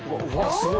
すごい。